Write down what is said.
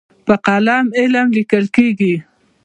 په قلم علم لیکل کېږي.